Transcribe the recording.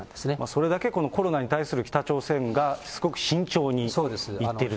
それだけコロナに対する北朝鮮がすごく慎重にいっていると。